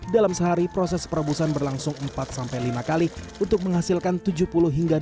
dalam sehari proses perobusan berlangsung empat lima kali untuk menghasilkan tujuh puluh delapan puluh kg kolang kaling